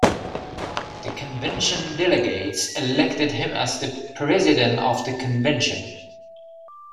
The convention delegates elected him as the President of the Convention.